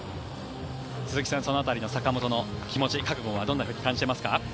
鈴木さん、その辺りの坂本の気持ち、覚悟はどう感じていますか？